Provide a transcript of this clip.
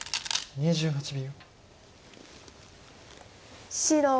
２８秒。